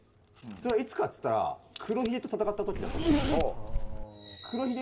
それはいつかっつったら黒ひげと戦ったときだと思うんですよ。